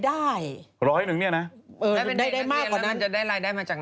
อาจารย์แป้ง